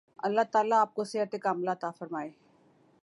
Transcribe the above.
اللہ تعالی آپ کو صحت ِکاملہ عطا فرمائے